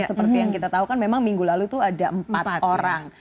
seperti yang kita tahu kan memang minggu lalu itu ada empat orang